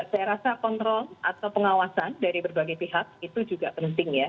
saya rasa kontrol atau pengawasan dari berbagai pihak itu juga penting ya